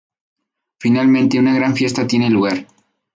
Finalmente una gran fiesta tiene lugar.